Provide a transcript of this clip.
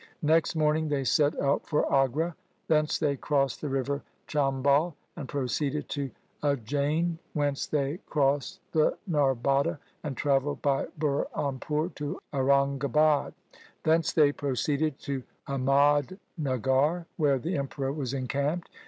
Next morning they set out for Agra. Thence they crossed the river Cham bal and proceeded to Ujjain, whence they crossed the Narbada and travelled by Burhanpur to Auran gabad. Thence they proceeded to Ahmadnagar, where the Emperor was encamped.